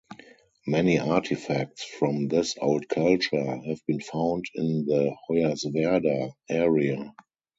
Many artifacts from this old culture have been found in the Hoyerswerda area.